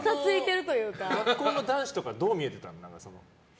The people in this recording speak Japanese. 学校の男子とかはどう見えてたの？